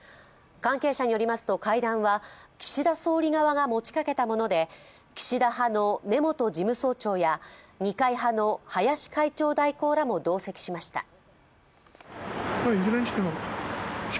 関係者によりますと会談は岸田総理側が持ちかけたもので岸田派の根本事務総長や二階派の林会長代行らも同席しました。